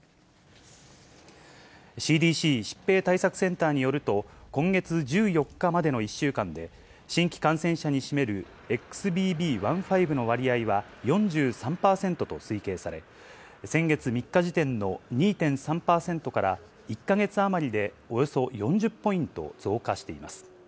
ＣＤＣ・疾病対策センターによると、今月１４日までの１週間で、新規感染者に占めるＸＢＢ．１．５の割合は４３％と推計され、先月３日時点の２．３％から１か月余りでおよそ４０ポイント増加しています。